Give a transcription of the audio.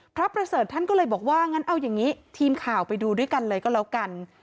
ประเสริฐท่านก็เลยบอกว่างั้นเอาอย่างนี้ทีมข่าวไปดูด้วยกันเลยก็แล้วกัน